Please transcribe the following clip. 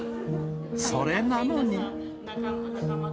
それなのに。